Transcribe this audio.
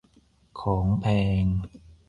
ของแพง